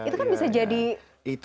itu kan bisa jadi